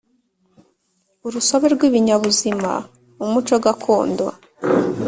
Urusobe rw ibinyabuzima umuco gakondo